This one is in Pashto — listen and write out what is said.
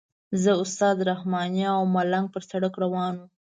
زه استاد رحماني او ملنګ پر سړک روان وو.